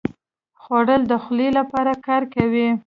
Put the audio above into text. خوړل د خولې لپاره کار کوي